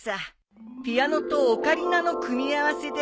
ピアノとオカリナの組み合わせでね。